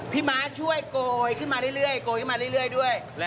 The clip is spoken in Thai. พี่ม้าช่วยโกยขึ้นมาเรื่อยด้วย